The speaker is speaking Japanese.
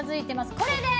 これです！